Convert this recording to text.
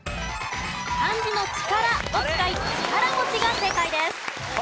漢字の「力」を使い力持が正解です。